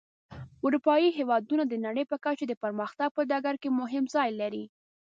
اروپایي هېوادونه د نړۍ په کچه د پرمختګ په ډګر کې مهم ځای لري.